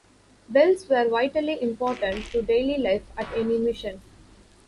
Bells were vitally important to daily life at any mission.